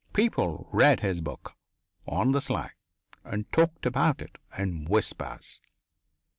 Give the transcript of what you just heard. People read his book on the sly and talked about it in whispers.